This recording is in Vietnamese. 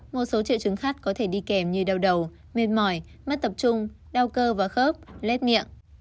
một số triệu chứng khác có thể đi kèm như đau đầu mệt mỏi mất tập trung đau cơ và khớp lét miệng